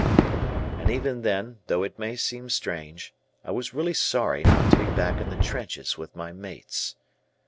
And even then, though it may seem strange, I was really sorry not to be back in the trenches with my mates.